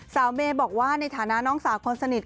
เมย์บอกว่าในฐานะน้องสาวคนสนิท